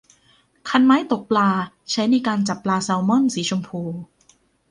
คันไม้ตกปลาใช้ในการจับปลาแซลมอนสีชมพู